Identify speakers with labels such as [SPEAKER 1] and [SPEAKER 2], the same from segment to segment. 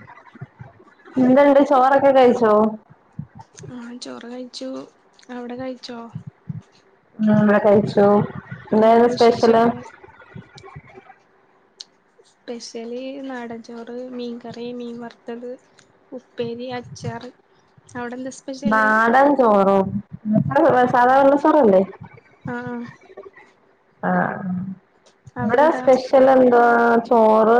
[SPEAKER 1] [inaudible]
[SPEAKER 2] എന്തണ്ട് ചോറൊക്കെ കഴിച്ചോ
[SPEAKER 1] ആഹ് ചോറ് കഴിച്ചു അവിടെ കഴിച്ചോ
[SPEAKER 2] ഉം വടെ കഴിച്ചു
[SPEAKER 1] എന്താണ്
[SPEAKER 2] എന്തായിരുന്നു സ്പെഷ്യല്
[SPEAKER 1] വിശേഷൊക്കെ സ്പെഷ്യലി നാടൻചോറ് മീൻകറി മീൻ വറുത്തത് ഉപ്പേരി അച്ചാറ് അവിടെ എന്താ സ്
[SPEAKER 2] നാടൻ ചോറോ സാധാരണ ചോറല്ലേ
[SPEAKER 1] ആഹ്
[SPEAKER 2] ആഹ് വ്ടെ
[SPEAKER 1] അവിടെന്താ
[SPEAKER 2] സ്പെഷ് ഷെലന്താ ചോറ്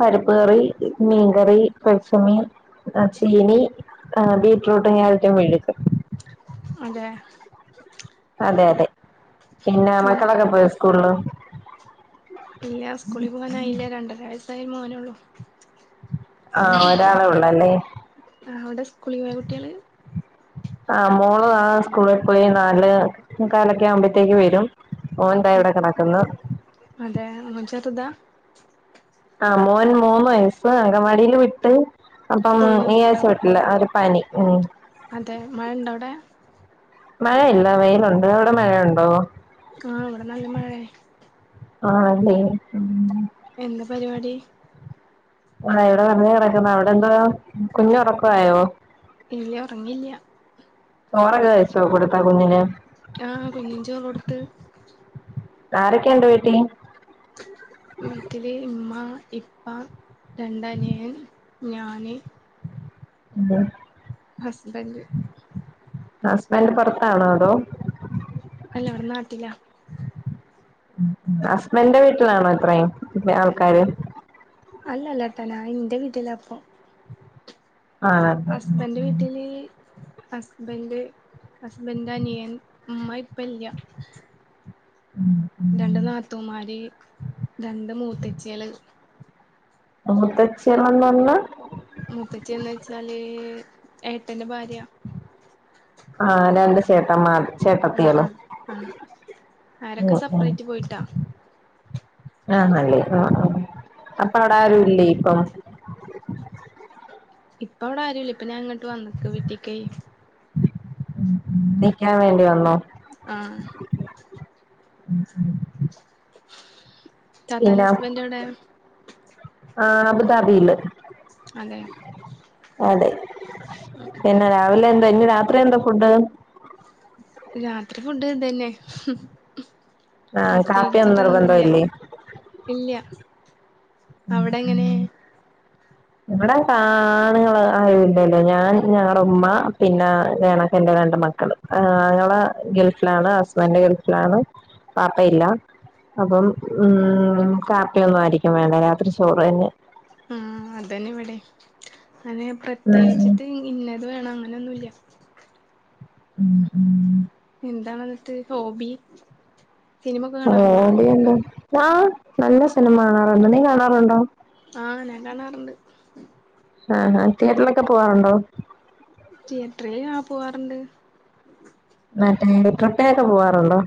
[SPEAKER 2] പരിപ്പ് കറി മീൻകറി പെര്ച്ചമീ ആഹ് ചീനി എഹ് ബീറ്റ്റൂട്ടും കേരറ്റും മേഴക്
[SPEAKER 1] അതെ
[SPEAKER 2] അതെ അതെ പിന്നെ മക്കളൊക്കെ പോയി സ്കുൾള്
[SPEAKER 1] ഇല്ല സ്കൂളി പോകാനായില്ല രണ്ടരയസായ മോനൊള്ളൂ
[SPEAKER 2] ആഹ് ഒരാളെ ഉള്ളല്ലേ?
[SPEAKER 1] ആഹ് അവിടെ സ്കൂളി പോയൊ കുട്ടിള്
[SPEAKER 2] ആഹ് മോള് ആഹ് സ്കൂളി കുളി നാലെ ആഉ മുകാലൊക്കെ ആവുമ്പത്തേക്ക് വരും ഓൻന്താ ഇവിടെ കിടക്കന്ന്
[SPEAKER 1] അതെ മോൻ ചെർതാ
[SPEAKER 2] ആഹ് മോൻ മൂന്ന് വയസ്സ് അങ്കവാടില് വിട്ട് അപ്പം
[SPEAKER 1] പോയി
[SPEAKER 2] ഈ
[SPEAKER 1] വന്നിണ്ടാവും
[SPEAKER 2] ആഴ്ച ല്ല ഒരു പനി ഉം
[SPEAKER 1] അതെ മഴ ഉണ്ടോ അവിടെ
[SPEAKER 2] മഴയില്ല വെയിലുണ്ട് അവിടെ മഴയുണ്ടോ
[SPEAKER 1] ആഹ് ഇവിടെ നല്ല മഴയാ
[SPEAKER 2] ആഹ അല്ലെ ഉം
[SPEAKER 1] എന്താ പരിപാടി
[SPEAKER 2] ആ ഇവിടെ വെറുതെ കിടക്കുന്ന അവിടെ എന്തുവാ കുഞ്ഞു ഉറക്ക ആയോ
[SPEAKER 1] ഇല്ല ഉറങ്ങില്ല
[SPEAKER 2] ചോറക്കെ കഴിച്ചോ കൊടുത്തോ കുഞ്ഞിന്
[SPEAKER 1] ആഹ് കുഞ്ഞിന് ചോറ്കൊടുത്ത്
[SPEAKER 2] ആരൊക്കെ ഉണ്ട് വീട്ടില്
[SPEAKER 1] വീട്ടില് ഇമ്മ ഇപ്പാ രണ്ടനിയൻ ഞാന്
[SPEAKER 2] ഉം
[SPEAKER 1] ഹസ്ബൻന്റ്
[SPEAKER 2] ഹസ്ബൻറ് പുറത്താണോ അതോ
[SPEAKER 1] അല്ല ഇവിടെ നാട്ടിലാ
[SPEAKER 2] ഹസ്ബൻന്റെ വീട്ടിലാണോ ഇത്രേം പിന്നെ ആൾക്കാര്
[SPEAKER 1] അല്ലല്ലാത്ത ഞാൻ ഇന്റെ വീട്ട്ലാ ഇപ്പം
[SPEAKER 2] ആണല്ലേ
[SPEAKER 1] ഹസ്ബന്റ് വീട്ടില് ഹസ്ബൻഡ്, ഹസ്ബൻഡിന്റെ അനിയൻ ഉമ്മ ഇപ്പ ഇല്ല
[SPEAKER 2] ഉം
[SPEAKER 1] രണ്ട് നാത്തൂൻമാര് രണ്ട് മൂത്തച്ചി കള്
[SPEAKER 2] മൂത്തച്ചിയള്ന്ന് പറഞ്ഞ
[SPEAKER 1] മുത്തച്ചിന്ന് വെച്ചാല് ഏട്ടന്റെ ഭാര്യ
[SPEAKER 2] ആഹ് രണ്ട് ചേട്ടന്മാർ
[SPEAKER 1] ആഹ്
[SPEAKER 2] ചേട്ടത്തിയളും
[SPEAKER 1] ആഹ് ആഹ് അവരൊക്കെ
[SPEAKER 2] ഉം ഉം
[SPEAKER 1] സെപ്പറേറ്റ് പോയിട്ടാ
[SPEAKER 2] ആ അങ്ങനെയാണോ അപ്പൊ അവിടെ ആരു ഇല്ലേ ഇപ്പം [inaudible]
[SPEAKER 1] ഇപ്പൊ അവിടെ ആരുല്ല ഇപ്പഞാങ്ങട്ട് വന്നേക്ക് വീട്ടീക്ക
[SPEAKER 2] നിക്കാൻ വേണ്ടി വന്നോ
[SPEAKER 1] ആഹ് തത്താന്റെ ഹസ്ബൻന്റവിടെ
[SPEAKER 2] ആ അബുദാബിയില്
[SPEAKER 1] അതെ
[SPEAKER 2] അതെ പിന്നെ രാവിലെ എന്താ ഇനി രാത്രി എന്താ ഫുഡ്
[SPEAKER 1] രാത്രി ഫുഡ് ഇതന്നെ
[SPEAKER 2] ആഹ് കാപ്പിയൊന്നും
[SPEAKER 1] പ്രത്യേകിച്ചിട്ടൊന്നുല്ല
[SPEAKER 2] നിർബന്ധം ഇല്ലേ
[SPEAKER 1] ഇല്ല അവിടെങ്ങനെ
[SPEAKER 2] ഇവിടെ ആണ്ങ്ങള ആരൂല്ലല്ലോ ഞാൻ ഞങ്ങളടെ ഉമ്മ പിന്നെ എനിക്കെ എന്റെ രണ്ട് മക്കള് ആ ആങ്ങളെ ഗൾഫിലാണ് ഹസ്ബൻഡ് ഗൾഫിലാണ് വാപ്പ ഇല്ല അപ്പം ഉം കാപ്പിയൊന്നും ആരിക്കും വേണ്ട രാത്രി ചോറ് തന്നെ
[SPEAKER 1] ആ അതന്നെ ഇവിടെ. അങ്ങനെ
[SPEAKER 2] ഉം
[SPEAKER 1] പ്രത്യേകിച്ചിട്ട് ഇന്നത് വേണം അങ്ങനെന്നുല്ല
[SPEAKER 2] ഉം ഉം
[SPEAKER 1] എന്താ ണെന്നിട്ട് ഹോബി സിനിമ ഒക്കെ
[SPEAKER 2] ഓ
[SPEAKER 1] കാണാറുണ്ടാ
[SPEAKER 2] ഹോബിഎന്താ. ആനല്ല സിനിമ കാണാറുണ്ട് നീ കാണാറുണ്ടോ
[SPEAKER 1] ആഹ് ഞാൻ കാണാറുണ്ട്
[SPEAKER 2] ആഹ് ആഹ് തിയേറ്ററിലൊക്കെ പോവാറുണ്ടോ
[SPEAKER 1] തിയേറ്ററിൽ ആ പോവാറുണ്ട്
[SPEAKER 2] മറ്റേ ട്രിപ്പൊക്കെ പോവാറുണ്ടോ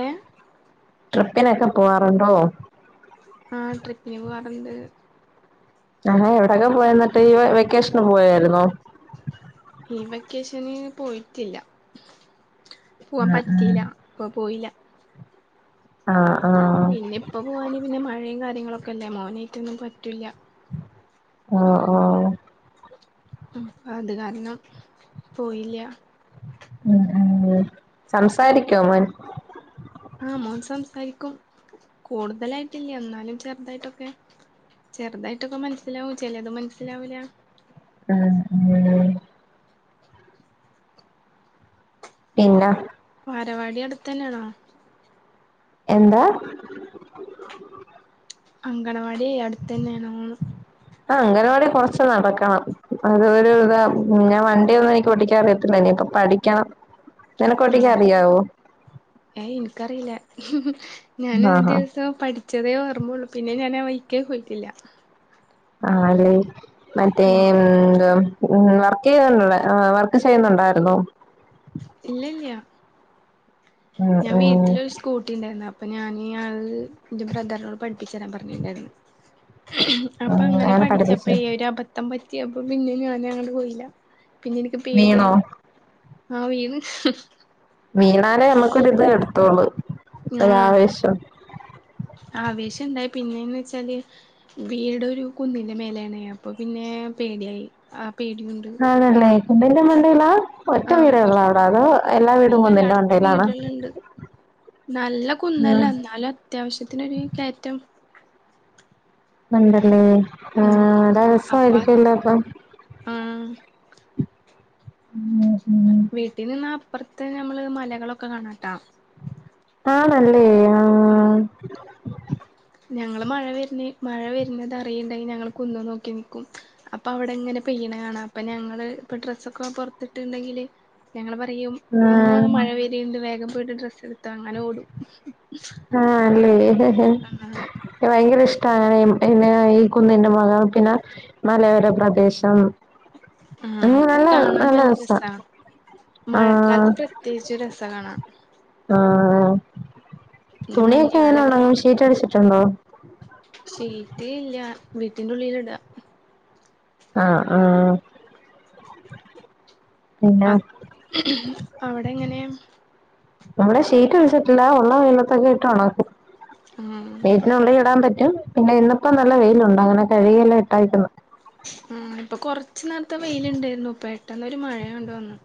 [SPEAKER 1] ഏഹ്
[SPEAKER 2] ട്രിപ്പിനൊക്കെ പോകാറുണ്ടോ
[SPEAKER 1] ആ ട്രിപ്പിന് പോവാറുണ്ട്
[SPEAKER 2] എടാ എവിടയൊക്കെ പോയ എന്നിട്ട് ഈ വെക്കേഷന് പോയായിരുന്നോ?
[SPEAKER 1] ഈ വെക്കേഷന് പോയിറ്റില്ല. പോവാൻ
[SPEAKER 2] ഉം ഉം
[SPEAKER 1] പറ്റീല്ല അപ്പ പോയില
[SPEAKER 2] ആഹ് ആഹ്
[SPEAKER 1] പിന്നെ ഇപ്പ പോവാന് പിന്നെ മഴേം കാര്യങ്ങളൊക്കെ അല്ലേ മോനേറ്റൊന്നും പറ്റൂല്ല
[SPEAKER 2] ആഹ് ആ
[SPEAKER 1] അപ്പ അത് കാരണം പോയില്ല
[SPEAKER 2] ഉം സംസാരിക്കോ മോൻ?
[SPEAKER 1] ആ മോൻ സംസാരിക്കും കൂടുതലായിട്ടില്ല ഇന്നാലും ചെറുതായിട്ടൊക്കെ ചെറുതായിട്ടൊക്കെ മനസ്സിലാവും ചെലത് മനസ്സിലാവൂല്ല
[SPEAKER 2] ഉം ഉം പിന്ന
[SPEAKER 1] വാരവാടി അടുത്ത് തന്നെയാണോ?
[SPEAKER 2] എന്താ
[SPEAKER 1] അംഗനവാടിയെയ് അടുത്തന്നെയാണോ?
[SPEAKER 2] ആ അംഗനവാടി കൊറച്ച് നടക്കണം അത് ഒരു ഇത മുന്നെ വണ്ടി ഒന്നും എനിക്ക് ഒട്ടിക്കാൻ അറിയത്തില്ല ഇനി ഇപ്പം പഠിക്കണം
[SPEAKER 1] [inaudible]
[SPEAKER 2] നിനക്ക്
[SPEAKER 1] ഉം
[SPEAKER 2] ഓട്ടിക്കാൻ അറിയാവോ
[SPEAKER 1] ഏയ് ഇൻക്കറീല്ല ഞാന് ഒരു
[SPEAKER 2] ആഹ്
[SPEAKER 1] ദിവസം പഠി ചെറിയേ ഓർമോള്ളു പിന്നെ ഞാനാ വൈക്കേ പോയിറ്റില്ല
[SPEAKER 2] ആഹ് അല്ലെ മറ്റെ
[SPEAKER 1] ഉം
[SPEAKER 2] എന്തുവ ഉം വർക്ക് ചെയ്യ്ണ്ട് വർക്ക് ചെയ്യുന്നുണ്ടായിരുന്നു.
[SPEAKER 1] ഇല്ലല്ല്യ
[SPEAKER 2] ഉം
[SPEAKER 1] ഞാൻ
[SPEAKER 2] ഉം
[SPEAKER 1] വീട്ടിലൊരു സ്കൂട്ടിണ്ടായിരുന്നു അപ്പൊ ഞാന് അത് ഇൻ്റെ ബ്രദറിനോട് പഠിപ്പിച്ച് തരാൻ പറഞ്ഞ്ണ്ടായിരുന്നു. അപ്പൊ
[SPEAKER 2] ഉം
[SPEAKER 1] അങ്ങനെ
[SPEAKER 2] പഠിപ്പിച്ചു
[SPEAKER 1] പഠിച്ചപ്പെ ഒരു അപ പത്തം പറ്റിയപ്പൊ പിന്നെ ഞാന് അങ്ങട് പോയില്ല പിന്നെ ഇനിക്ക്
[SPEAKER 2] വീണോ
[SPEAKER 1] പേടിയായി ആഹ് വിണ്
[SPEAKER 2] വീണാലേ നമ്മുക്കൊര്ത് വര്ത്തോളൂ
[SPEAKER 1] ആഹ്
[SPEAKER 2] ഒരാവേശം
[SPEAKER 1] ആവേശം ഇണ്ടായി പിന്നേന്ന് വെച്ചാല് വീട് ഒരു കുന്നിന്റെ മേലെയാണേ അപ്പൊ പിന്നെ പേടിയായി ആ പേടിയിണ്ട്
[SPEAKER 2] ആണല്ലേ കുന്നിന്റെ മണ്ടയില ഒറ്റ
[SPEAKER 1] ആഹ്
[SPEAKER 2] വീടെ
[SPEAKER 1] കൊറ
[SPEAKER 2] യൊള്ള അവിടെ അതോ എല്ലാ വീടും
[SPEAKER 1] അല്ലല്ല
[SPEAKER 2] കുന്നിൻ്റെ
[SPEAKER 1] അടുത്ത്
[SPEAKER 2] മണ്ടയിലാണ്
[SPEAKER 1] വീടുകളുണ്ട് നല്ല കുന്നല്ല ഇന്നാലും അത്യാവശ്യത്തിനൊരു കയറ്റം
[SPEAKER 2] ഉണ്ടല്ലേ ആ
[SPEAKER 1] ആഹ്
[SPEAKER 2] അടെ
[SPEAKER 1] അപ്പ
[SPEAKER 2] രസയിരിക്കല്ലോ അപ്പൊ
[SPEAKER 1] ആഹ്
[SPEAKER 2] ഉം ഉം
[SPEAKER 1] വീട്ടിൽ നിന്ന അപ്പറത്ത് ഞമ്മള് മലകളൊക്കെ കാണാട്ടാ
[SPEAKER 2] ആണല്ലേ
[SPEAKER 1] ആഹ് ഞങ്ങള് മഴ വര്നെ മഴ വര്നത് അറിയ്ണ്ടെയി ഞങ്ങള് കുന്ന് നോക്കി നിക്കും അപ്പ അവിടെങ്ങനെ പെയ്യ്ണെ കണാ അപ്പ ഞങ്ങള് ഇപ്പ ഡ്രസ്സൊക്കെ പൊറത്ത്ട്ട്ണ്ടെങ്കില് ഞങ്ങള് പറയും ഉമ്മാ
[SPEAKER 2] ആഹ്
[SPEAKER 1] മഴ വെര്ണ്ട് വേഗം പോയിട്ട് ഡ്രസ്സ് ഇട്ത്തോ അങ്ങനെ ഓടും
[SPEAKER 2] ആഹ് അല്ലേ
[SPEAKER 1] ആഹ്
[SPEAKER 2] ക്ക് ഭയങ്കര ഇഷ്ട്ടാ പിന്നെ ഈ കുന്നിന്റെ മൊഖം പിന്നെ മലയോര പ്രദേശം
[SPEAKER 1] ആഹ് അത് കാണാൻ നല്ല രസാ
[SPEAKER 2] ആഹ്
[SPEAKER 1] മഴക്കാലത്ത് പ്ര ത്യേകിച്ചും രസ കാണാം
[SPEAKER 2] ആഹ് ആ
[SPEAKER 1] പിന്നെ
[SPEAKER 2] തുണിയൊക്കെ എങ്ങനെ
[SPEAKER 1] മഞ്ഞുകാലൊക്കെ വ
[SPEAKER 2] ഒണ്ടങ്ങും ഷീറ്റ് അടിച്ചിട്ടുണ്ടോ?
[SPEAKER 1] ഷീറ്റ് ഇല്ല വീട്ടിന്റുള്ളിൽ ഇട
[SPEAKER 2] ആഹ് ആ
[SPEAKER 1] അ അവിടെങ്ങനേ
[SPEAKER 2] ഇവിടെ ഷീറ്റ് വിരിച്ചിട്ടിണ്ട് ഉള്ള വെയിലത്തൊക്കെ ഇട്ട് ഒണക്കും
[SPEAKER 1] ആഹ്
[SPEAKER 2] വീട്ടിനുള്ളിൽ ഇടാൻ പറ്റും പിന്നെ ഇന്നിപ്പ നല്ല വെയിലുണ്ട് അങ്ങനെ കഴുകിയെല്ലാം ഇട്ടായിക്കുന്നു
[SPEAKER 1] മ് ഇപ്പ കൊറച്ച് നേരത്തെ വെയിലിണ്ടായിരുന്നു, പെട്ടെന്ന് ഒരു മഴ അങ്ങോണ്ട് വന്നു.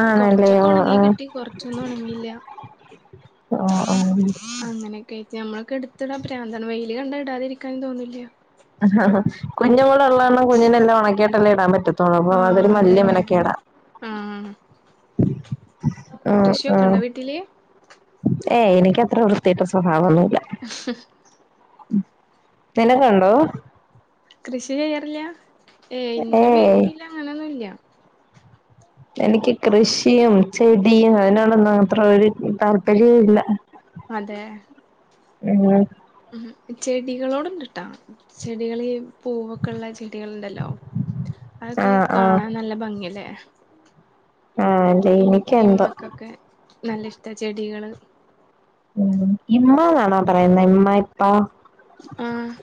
[SPEAKER 2] ആണല്ലേ
[SPEAKER 1] കൊറച്ചൊക്കെ
[SPEAKER 2] ഓഹ്
[SPEAKER 1] ഒണങ്ങി
[SPEAKER 2] ആഹ്
[SPEAKER 1] കിട്ടി കൊറച്ചൊന്നും ഒണങ്ങില്ല.
[SPEAKER 2] ഓഹ്
[SPEAKER 1] അങ്ങനെയൊക്കെ ആയിട്ട് നമ്മളൊക്കെ എടുത്തിടാൻ പ്രാന്ത് ആണ്, വെയില് കണ്ട ഇടാതിരിക്കാനും തോന്നില്ല.
[SPEAKER 2] കുഞ്ഞു കൂടെ ഒള്ള കാരണം കുഞ്ഞിന്റെ എല്ലാം ഉണക്കിയിട്ടല്ലേ ഇടാൻ പറ്റൊ ത്തൊള്ളൂ അപ്പ അതൊരു
[SPEAKER 1] ആഹ്
[SPEAKER 2] വല്യ
[SPEAKER 1] അതന്നെ
[SPEAKER 2] മേനക്കേടാ.
[SPEAKER 1] ആഹ് കൃഷിയൊക്കെ ഒണ്ടോ വീട്ടില്?
[SPEAKER 2] ഏയ് എനിക്കത്ര വൃത്തിക്കെട്ട സ്വഭാവോന്നു നിനക്ക്‌ ഒണ്ടോ?
[SPEAKER 1] കൃഷി ചെയ്യാറില്ല, ഏ ഇന്റെ
[SPEAKER 2] ഏയ്
[SPEAKER 1] വീട്ടില് അങ്ങനൊന്നുല്ല.
[SPEAKER 2] എനിക്ക് കൃഷിയും ചെടിയും അതിനോടൊന്നും അത്ര ഒരു താല്പര്യവും ഇല്ല.
[SPEAKER 1] അതെ.
[SPEAKER 2] പിന്നെ
[SPEAKER 1] മ് ചെടികളോട് ഉണ്ട്ട്ടോ, ചെടികള് പൂവൊക്കെ ഇള്ള ചെടികൾ ഇണ്ടല്ലോ അതൊക്കെ
[SPEAKER 2] ആഹ് ആഹ്
[SPEAKER 1] കാണാൻ നല്ല ഭംഗിയല്ലേ.
[SPEAKER 2] ആഹ് അല്ലെ
[SPEAKER 1] എനിക്ക്
[SPEAKER 2] എനിക്കെന്തോ
[SPEAKER 1] ഇമ്മാക്കൊക്കെ നല്ല ഇഷ്ട ചെടികള്.
[SPEAKER 2] മ് ഇമ്മ എന്നാണോ പറയുന്നെ [unintelligible] ആഹ്
[SPEAKER 1] ആഹ്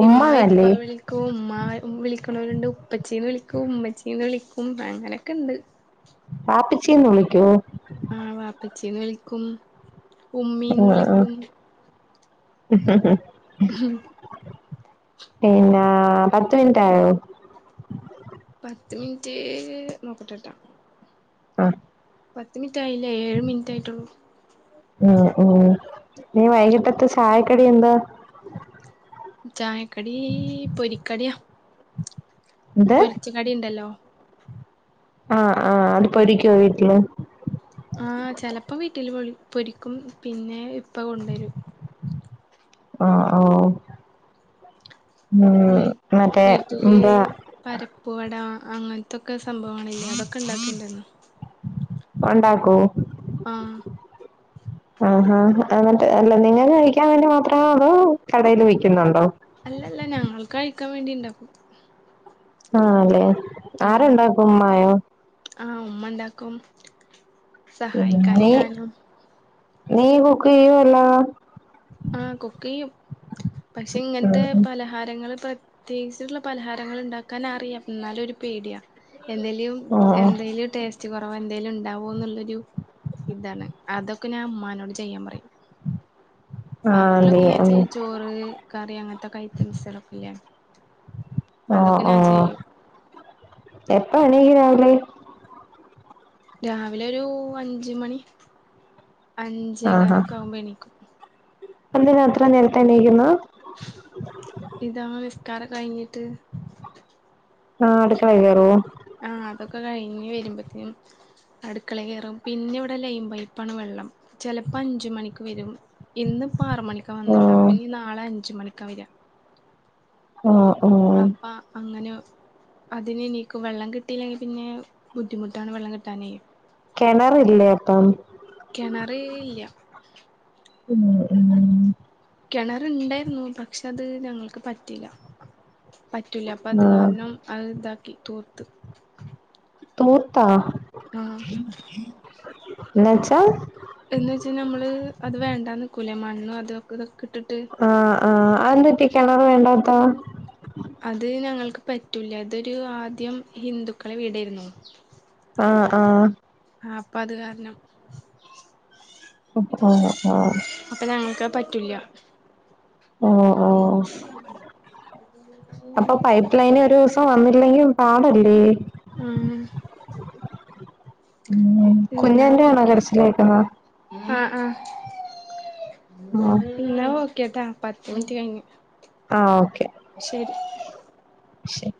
[SPEAKER 2] ഉമ്മാന്ന് അല്ലേ?
[SPEAKER 1] ക്ക്‌ ഉമ്മാ വിളിക്കണവരുണ്ട്, ഉപ്പച്ചീന്ന് വിളിക്കും, ഉമ്മച്ചീന്ന് വിളിക്കും, അങ്ങനെക്കെ ഇണ്ട്.
[SPEAKER 2] വാപ്പിച്ചിന്ന് വിളിക്കോ?
[SPEAKER 1] ആഹ് വാപ്പിച്ചീന്ന് വിളിക്കും. ഉമ്മീന്ന്
[SPEAKER 2] ആഹ് ആഹ്
[SPEAKER 1] വിളിക്കും
[SPEAKER 2] പിന്നെ പത്ത് മിനിറ്റ് ആയോ?
[SPEAKER 1] പത്ത് മിനിറ്റ് നോക്കട്ടെട്ടോ.
[SPEAKER 2] ആഹ്
[SPEAKER 1] പത്ത് മിനിറ്റ് ആയില്ല, ഏഴ് മിനിറ്റ് ആയിട്ടുള്ളൂ.
[SPEAKER 2] മ് മ് ഇനി വൈകിട്ടത്തെ ചായക്കടി എന്താ?
[SPEAKER 1] ചായക്കടി പൊരിക്കടിയാ.
[SPEAKER 2] എന്ത്
[SPEAKER 1] പൊരിച്ചു കടി ഇണ്ടല്ലോ.
[SPEAKER 2] ആഹ് ആഹ് അത് പൊരിക്കുവോ വീട്ടില്.
[SPEAKER 1] ആഹ് ചെലപ്പം വീട്ടില് പൊളി പൊരിക്കും പിന്നെ ഇപ്പ കൊണ്ടരും.
[SPEAKER 2] ആഹ് ഓഹ് മ് മറ്റേ ന്താ
[SPEAKER 1] പരിപ്പ് വട അങ്ങനത്തൊക്കെ സംഭവങ്ങൾ ഇല്ലേ അതൊക്കെ ഇണ്ടാക്കിണ്ടല്ലോ.
[SPEAKER 2] ഒണ്ടാക്കോ.
[SPEAKER 1] ആഹ്
[SPEAKER 2] ആ ഹാ ഹ എന്നിട്ട് അല്ല നിങ്ങക്ക്‌ കയിക്കാൻ വേണ്ടി മാത്രോ അതോ കടേൽ വിക്കുന്നുണ്ടോ?
[SPEAKER 1] അല്ലല്ല ഞങ്ങൾക്ക് കഴിക്കാൻ വേണ്ടി ഇണ്ടാക്കും.
[SPEAKER 2] ആണല്ലെ
[SPEAKER 1] ആഹ്
[SPEAKER 2] ആരുണ്ടാക്കും ഉമ്മായോ?
[SPEAKER 1] ആഹ് ഉമ്മ ഇണ്ടാക്കും.
[SPEAKER 2] മ് നീ നീ കുക്ക് ചെയ്യുവോ [unintelligible]
[SPEAKER 1] ആഹ് കുക്ക് ചെയ്യും, പക്ഷേ ഇങ്ങനത്തെ
[SPEAKER 2] ഉം ഉം
[SPEAKER 1] പലഹ ഹാരങ്ങല് പ്രത്യേകിച്ചുള്ള പലഹാരങ്ങൾ ഇണ്ടാക്കാൻ അറിയാം എന്നാലും ഒരു പേടിയ, എന്തേലും
[SPEAKER 2] ആഹ്
[SPEAKER 1] എന്തെലും ടേസ് റ്റ് കൊറവ് എന്തേലും ഉണ്ടാവോന്നുള്ളൊരു ഇതാണ് അതൊക്കെ ഞാൻ ഉമ്മാനോട് ചെയ്യാൻ പറയും.
[SPEAKER 2] ആഹ് നീ
[SPEAKER 1] ബാക്കിയുള്ളൊക്കെ ഞാൻ
[SPEAKER 2] ഉം
[SPEAKER 1] ചെയ് ചോറ് കറി അങ്ങനത്തൊക്കെ ഐറ്റംസളൊക്കെ ഇല്ലേ. അതൊക്കെ ഞാൻ ചെയ്യും.
[SPEAKER 2] എപ്പോ എണീക്കും രാവിലെ.
[SPEAKER 1] രാവിലെ ഒരു അഞ്ച് മണി അഞ്ചേ കാലൊക്കെ ആകുമ്പോ എണീക്കും.
[SPEAKER 2] എന്തിന അത്രയും നേരത്തെ എണീക്കുന്നത്
[SPEAKER 1] ഇതാ നിസ്കാരം കഴിഞ്ഞിട്ട്
[SPEAKER 2] ആ അടുക്കളേ കേറുവോ
[SPEAKER 1] ആഹ് അതൊക്കെ കയിഞ് വരുമ്പത്തേനും- അടുക്കളേ കേറും പിന്നെ ഇവിടെ ലൈൻ പൈപ്പാണ് വെള്ളം ചെലപ്പോ അഞ്ച് മണിക്ക് വരും ഇന്ന് ഇപ്പ ആറ് മണിക്കാ വന്നെ വെള്ളം
[SPEAKER 2] ആഹ്
[SPEAKER 1] അപ്പൊ ഇനി നാളെ അഞ്ച് മണിക്കാ വര്ക
[SPEAKER 2] ഓഹ് ഓഹ്
[SPEAKER 1] ആഹ് ആഹ് അങ്ങനേയോ അതിന് എനിക്ക് വെള്ളം കിട്ടിയില്ലെങ്കിൽ പിന്നെ ബുദ്ധിമുട്ടാണ് വെള്ളം കിട്ടാനേ
[SPEAKER 2] കെണറില്ലേയപ്പം
[SPEAKER 1] കിണറ് ഇല്ല
[SPEAKER 2] ഉം ഉം [unintelligible]
[SPEAKER 1] കെണറുണ്ടെയിരുന്നു പക്ഷെ അത് ഞങ്ങൾക്ക് പറ്റീല്ല പറ്റൂല അപ്പൊ അത്
[SPEAKER 2] ആഹ്
[SPEAKER 1] കാരണം- അത് ഇതാക്കി തൂത്ത്
[SPEAKER 2] തൂർത്ത
[SPEAKER 1] ആഹ്
[SPEAKER 2] എന്ന് വെച്ചാൽ
[SPEAKER 1] എന്ന് വെച്ചാ നമ്മള് അത് വേണ്ടാന്ന് വെക്കൂലേ മണ്ണ് അത് ഇതൊക്കെ ഇട്ടിട്ട്
[SPEAKER 2] ആഹ് ആഹ് അതെന്ത്‌ പറ്റി കെണറ് വേണ്ടാത്തത്
[SPEAKER 1] അത് ഞങ്ങൾക്ക് പറ്റൂല ഇതൊരു ആദ്യം ഹിന്ദുക്കളെ വീടെരുന്നു
[SPEAKER 2] ആഹ് ആഹ്
[SPEAKER 1] ആഹ് അപ്പൊ അത് കാരണം
[SPEAKER 2] [unintelligible]
[SPEAKER 1] അപ്പ ഞങ്ങക്ക് അത് പറ്റൂല്ല
[SPEAKER 2] ഓഹ് ഓഹ് അപ്പൊ
[SPEAKER 1] [inaudible]
[SPEAKER 2] പൈപ്പ് ലൈനിൽ ഒരു ദെവസം വന്നില്ലെങ്കി പാടല്ലേ
[SPEAKER 1] ആഹ്
[SPEAKER 2] കുഞ്ഞന്റെയാണോ കരച്ചില് കേക്കുന്നത്
[SPEAKER 1] ആഹ് ആഹ്
[SPEAKER 2] ആഹ്
[SPEAKER 1] എന്നാ ഓക്കേട്ടോ പത്ത് മിനറ്റ് കയിഞ്ഞ്
[SPEAKER 2] ആഹ് ഓക്കെ
[SPEAKER 1] ശരി
[SPEAKER 2] ശരി